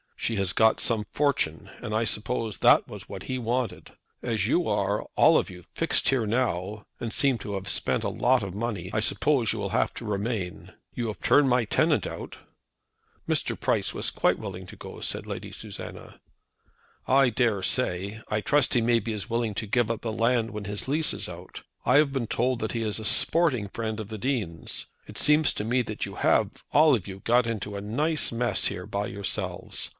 She has got some fortune, and I suppose that was what he wanted. As you are all of you fixed here now, and seem to have spent a lot of money, I suppose you will have to remain. You have turned my tenant out " "Mr. Price was quite willing to go," said Lady Susanna. "I dare say. I trust he may be as willing to give up the land when his lease is out. I have been told that he is a sporting friend of the Dean's. It seems to me that you have, all of you, got into a nice mess here by yourselves.